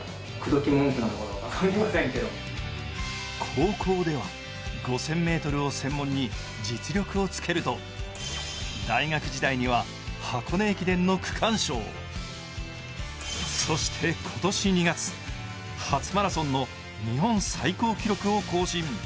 高校では５０００ｍを専門に実力をつけると大学時代には箱根駅伝の区間賞を、そして今年２月、初マラソンの日本最高記録を更新。